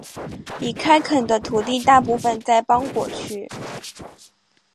已开垦的土地大部分在邦果区。